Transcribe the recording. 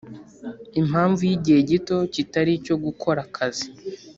Mpamvu y igihe gito kitari icyo gukora akazi